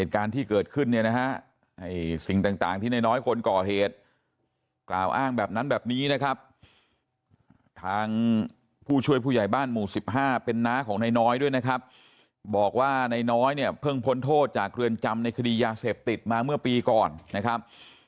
คิดใจไหมตอนนั้นคิดใจครับ